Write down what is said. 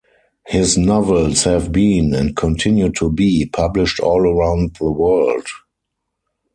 His novels have been, and continue to be, published all around the world.